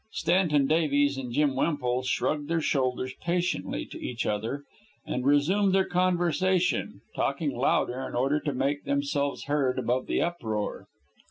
Stanton Davies and Jim Wemple shrugged their shoulders patiently to each other, and resumed their conversation, talking louder in order to make themselves heard above the uproar.